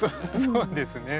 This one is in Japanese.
そうですね。